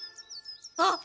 あっ。